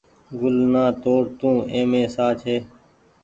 گل نآ توڙ تو اي مين ساه ڇي۔